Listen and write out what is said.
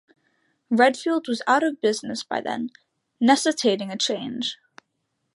Redfield was out of business by then, necessitating a change.